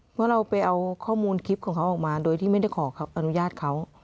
เพราะเราไปเอาข้อมูลคลิปของเขาออกมาโดยที่ไม่ได้ขออนุญาตเขา